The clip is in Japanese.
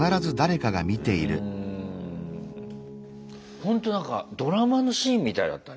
ほんと何かドラマのシーンみたいだったね。